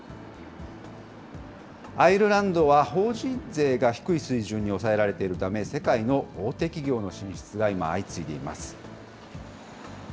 アイルランドは、法人税が低い水準に抑えられているため、世界の大手企業の進出が今、相次いでいます。